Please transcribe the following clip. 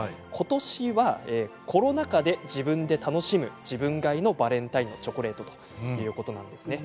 ことしはコロナ禍で自分で楽しむ自分買いのバレンタインチョコレートだそうです。